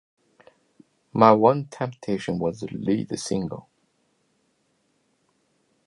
"My One Temptation" was the lead single.